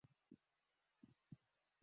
Thank you, sir.